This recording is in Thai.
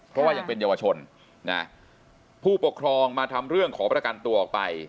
เพราะว่ายังเป็นเยาวชนนะผู้ปกครองมาทำเรื่องขอประกันตัวออกไป